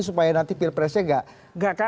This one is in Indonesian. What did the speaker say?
supaya nanti pilpresnya enggak